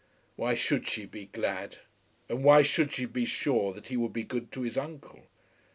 Why should she be glad, and why should she be sure that he would be good to his uncle?